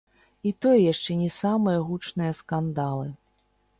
І тое яшчэ не самыя гучныя скандалы.